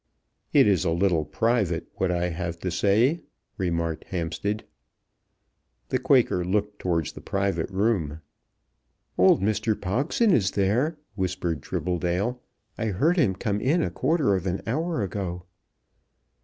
"It is a little private what I have to say," remarked Hampstead. The Quaker looked towards the private room. "Old Mr. Pogson is there," whispered Tribbledale. "I heard him come in a quarter of an hour ago."